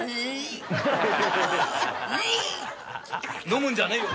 「飲むんじゃねえよ！」